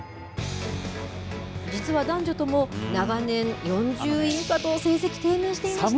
実は男女とも長年、４０位以下と成績、低迷していました。